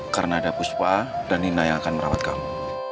karena ada puspa dan nina yang akan merawat kamu